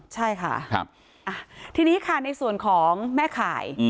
ใช่ค่ะทีนี้ค่ะในส่วนของแม่ข่าย